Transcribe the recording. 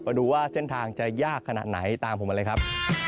มาดูว่าเส้นทางจะยากขนาดไหนตามผมมาเลยครับ